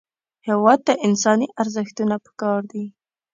هېواد ته انساني ارزښتونه پکار دي